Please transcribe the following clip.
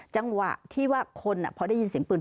จังหวะที่ว่าคนพอได้ยินเสียงปืน